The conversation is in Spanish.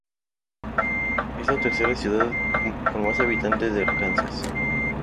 Es la tercera ciudad con más habitantes en Arkansas.